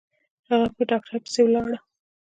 هغه په ډاکتر پسې ولاړه.